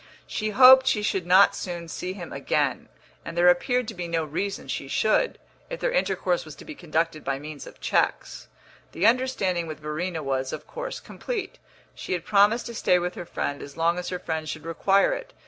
XX She hoped she should not soon see him again, and there appeared to be no reason she should, if their intercourse was to be conducted by means of cheques. The understanding with Verena was, of course, complete; she had promised to stay with her friend as long as her friend should require it.